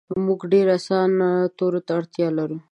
مونږ ډیر اسانه تورو ته اړتیا لرو